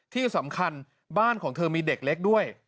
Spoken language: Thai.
ที่สำคัญบ้านของเธอมีเด็กเล็กด้วย